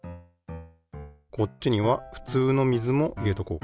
こっちにはふつうの水も入れとこう。